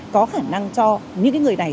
có khả năng cho những cái người này